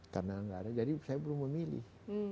karena nggak ada jadi saya belum memilih